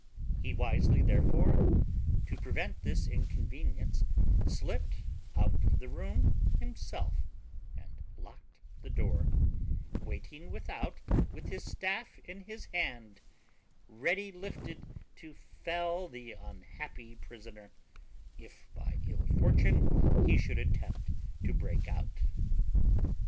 He wisely, therefore, to prevent this inconvenience, slipt out of the room himself, and locked the door, waiting without with his staff in his hand, ready lifted to fell the unhappy prisoner, if by ill fortune he should attempt to break out.